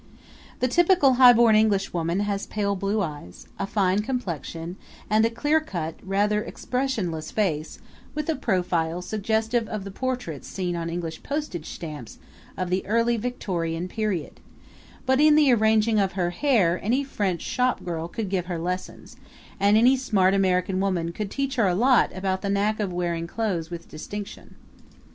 The typical highborn English woman has pale blue eyes, a fine complexion and a clear cut, rather expressionless face with a profile suggestive of the portraits seen on English postage stamps of the early Victorian period; but in the arranging of her hair any French shopgirl could give her lessons, and any smart American woman could teach her a lot about the knack of wearing clothes with distinction.